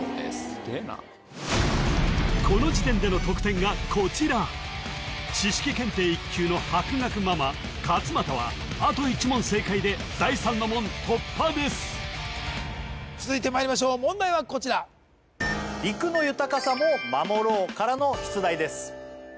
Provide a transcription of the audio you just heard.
すげえなこの時点での得点がこちらはあと１問正解で第三の門突破です続いてまいりましょう問題はこちら「陸の豊かさも守ろう」からの出題です